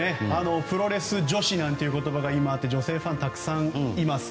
プロレス女子なんていう言葉が今あって女性ファン、たくさんいます。